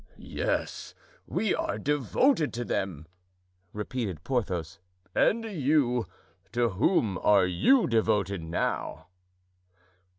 "Yes, we are devoted to them," repeated Porthos; "and you—to whom are you devoted now?"